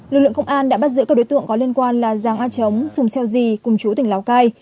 lực lượng công an đã bắt giữ các đối tượng có liên quan là giang a trống sùng xeo di cùng chú tỉnh lào cai